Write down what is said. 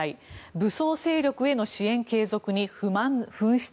武装勢力への支援継続に不満噴出。